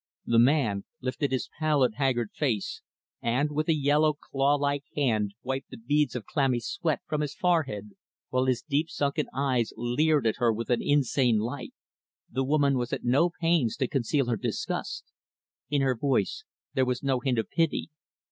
The man lifted his pallid, haggard face and, with a yellow, claw like hand wiped the beads of clammy sweat from his forehead; while his deep sunken eyes leered at her with an insane light. The woman was at no pains to conceal her disgust. In her voice there was no hint of pity.